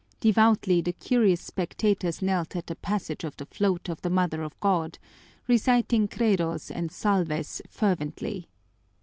Devoutly the curious spectators knelt at the passage of the float of the Mother of God, reciting Credos and Salves fervently.